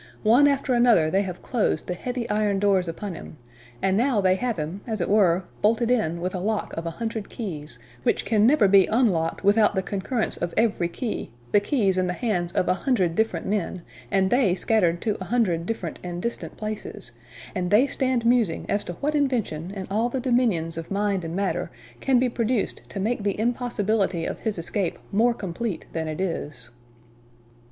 One after another they have closed the heavy iron doors upon him; and now they have him, as it were, bolted in with a lock of a hundred keys, which can never be unlocked without the concurrence of every key the keys in the hands of a hundred different men, and they scattered to a hundred different and distant places; and they stand musing as to what invention, in all the dominions of mind and matter, can be produced to make the impossibility of his escape more complete than it is."